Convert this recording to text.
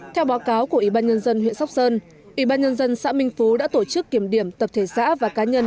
theo báo cáo của ủy ban nhân dân huyện sóc sơn ủy ban nhân dân xã minh phú đã tổ chức kiểm điểm tập thể xã và cá nhân